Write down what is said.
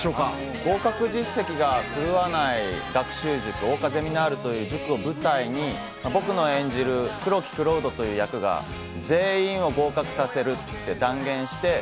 合格実績が振るわない学習塾・桜花ゼミナールという塾を舞台に、僕の演じる黒木蔵人という役が全員を合格させるって断言して。